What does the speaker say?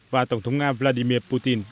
và tổng thống nga vladimir putin